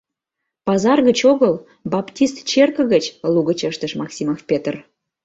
— Пазар гыч огыл, баптист черке гыч! — лугыч ыштыш Максимов Петр.